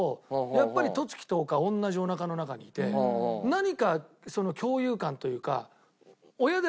やっぱり十月十日同じおなかの中にいて何かその共有感というか。